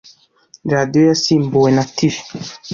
Radiyo yasimbuwe na TV.